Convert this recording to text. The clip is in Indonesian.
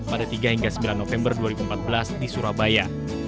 pada tiga hingga sembilan november dua ribu empat belas di surabaya